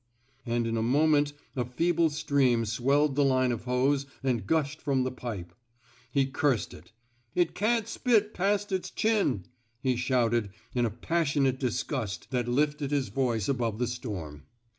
and in a moment a feeble stream swelled the line of hose and gushed from the pipe. He cursed it. It can't spit past its chin, he shouted in a passionate disgust that lifted his voice above the storm.